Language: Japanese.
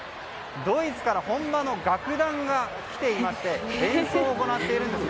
ドイツから本場の楽団が来ていまして演奏を行っているんです。